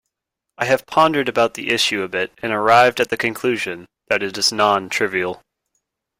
I have pondered about the issue a bit and arrived at the conclusion that it is non-trivial.